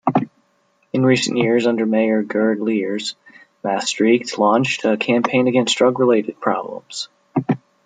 In recent years, under mayor Gerd Leers, Maastricht launched a campaign against drug-related problems.